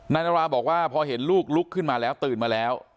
นาราบอกว่าพอเห็นลูกลุกขึ้นมาแล้วตื่นมาแล้ว